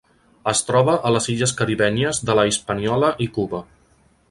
Es troba a les illes caribenyes de la Hispaniola i Cuba.